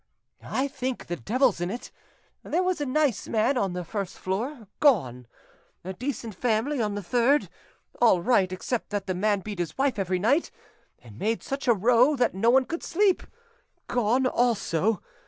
"I think the devil's in it. There was a nice man on the first floor gone; a decent family on the third, all right except that the man beat his wife every night, and made such a row that no one could sleep—gone also.